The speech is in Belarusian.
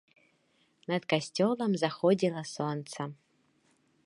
Над касцёлам заходзіла сонца.